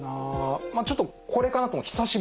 まあちょっとこれかなと思う「久しぶりに」。